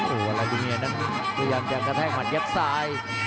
โอ้โหลายูเนียนั้นพยายามจะกระแทกหัดเย็บซ้าย